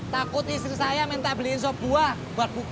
takut istri saya minta beliin sop buah buat buka